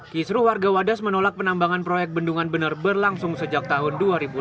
kisruh warga wadas menolak penambangan proyek bendungan bener berlangsung sejak tahun dua ribu enam belas